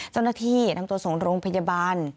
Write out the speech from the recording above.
เจ้าหน้าที่นำตัวส่งโรงพยาบาล